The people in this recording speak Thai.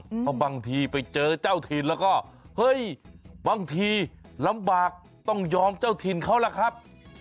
เพราะบางทีไปเจอเจ้าถิ่นแล้วก็เฮ้ยบางทีลำบากต้องยอมเจ้าถิ่นเขาล่ะครับ